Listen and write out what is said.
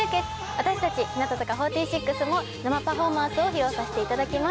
私たち日向坂４６も生パフォーマンスを披露させていただきます。